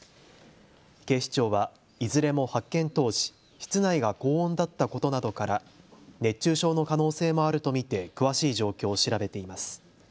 警視庁はいずれも発見当時、室内が高温だったことなどから熱中症の可能性もあると見て詳しい状況を調べています。